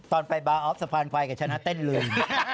ตอนไปบาร์ออฟสะพานภัยกับชนะเต้นลุม